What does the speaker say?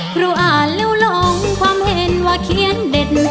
ครูอ่านแล้วลงความเห็นว่าเขียนเด็ด